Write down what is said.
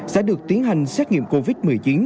sẽ được tiến hành xét nghiệm covid một mươi chín